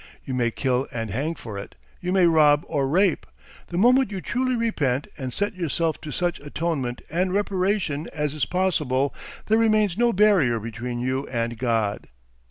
You may kill and hang for it, you may rob or rape; the moment you truly repent and set yourself to such atonement and reparation as is possible there remains no barrier between you and God.